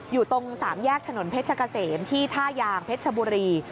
อยู่ตรงสามแยกถนนเพชรกะเสมที่ท่ายางเพชรชบุรี